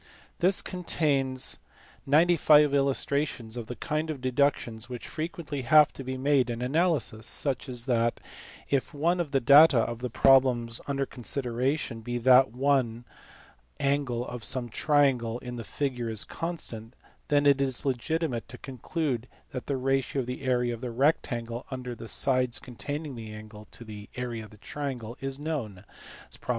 This contains 95 illustrations of the kind of deductions which frequently have to be made in analysis ; such as that, if one of the data of the problem under consideration be that one angle of some triangle in the figure is constant, then it is legitimate to conclude that the ratio of the area of the rectangle under the sides containing the angle to the area of the triangle is known (prop.